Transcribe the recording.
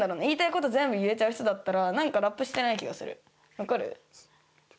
分かる？